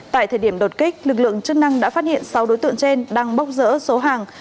tại thời điểm đột kích lực lượng chức năng đã phát hiện sáu đối tượng trên đang bốc rỡ số hàng